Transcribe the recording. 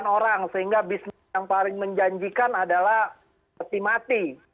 delapan orang sehingga bisnis yang paling menjanjikan adalah peti mati